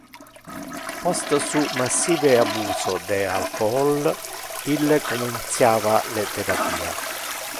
Post su massive abuso de alcohol ille comenciava le therapia.